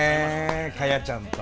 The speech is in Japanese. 果耶ちゃんと。